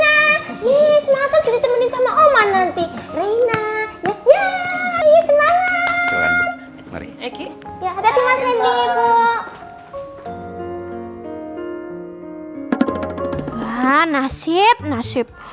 badak daqui acti